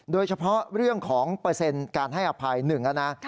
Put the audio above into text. โดยเฉพาะเรื่องของเปอร์เซ็นต์การให้อภัย๑แล้วนะ